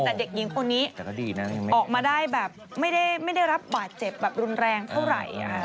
แต่เด็กหญิงคนนี้ออกมาได้แบบไม่ได้รับบาดเจ็บแบบรุนแรงเท่าไหร่